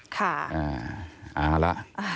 ค่ะ